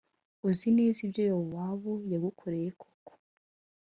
Uzi neza ibyo Yowabu yagukoreye koko